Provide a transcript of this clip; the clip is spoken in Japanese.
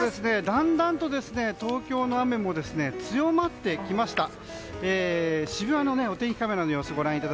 だんだんと東京の雨も強まってきました。